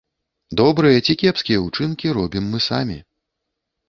Добрыя ці кепскія ўчынкі робім мы самі.